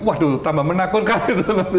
waduh tambah menakutkan